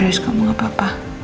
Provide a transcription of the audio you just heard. garis kamu gak apa apa